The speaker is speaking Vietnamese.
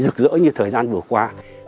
rực rỡ như thời gian vừa qua